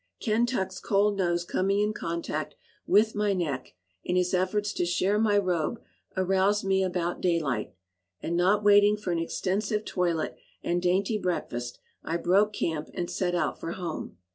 Kentuck's cold nose coming in contact with my neck, in his efforts to share my robe, aroused me about daylight; and, not waiting for an extensive toilet and dainty breakfast, I broke camp and set out for home.